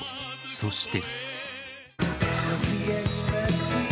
そして。